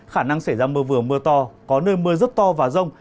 khả năng xảy ra mưa vừa mưa to có nơi mưa rất to và rông